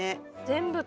全部。